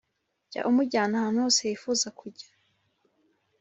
jya umujyana ahantu hoseyifuza kujya